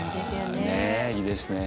ねえいいですね。